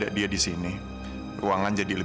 aku dari tadi gak diru